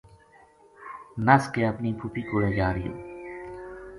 نس کے اپنی پھوپھی کولے جا رہیو